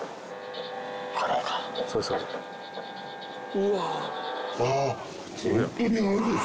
うわ。